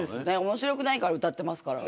面白くないから歌ってますから。